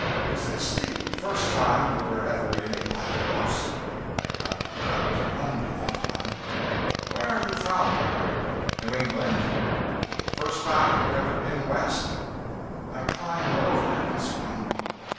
'Is this the first time you were ever in a pilot house?' I crept under that one. 'Where are you from?' 'New England.' 'First time you have ever been West?' I climbed over this one.